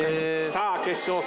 さあ決勝戦